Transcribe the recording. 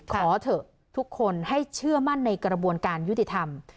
ขอเถอะทุกคนให้เชื่อมั่นในกระบวนการยุติธรรม